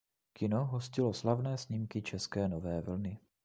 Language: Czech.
Kino hostilo slavné snímky české nové vlny.